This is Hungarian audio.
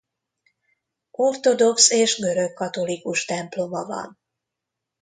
Ortodox és görögkatolikus temploma van.